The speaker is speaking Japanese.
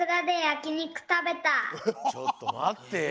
ちょっとまって。